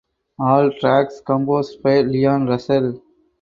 All tracks composed by Leon Russell.